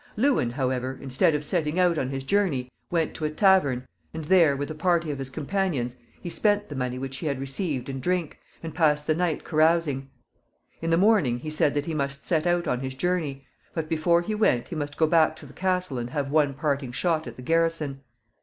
Lewin, however, instead of setting out on his journey, went to a tavern, and there, with a party of his companions, he spent the money which he had received in drink, and passed the night carousing. In the morning he said that he must set out on his journey, but before he went he must go back to the castle and have one parting shot at the garrison.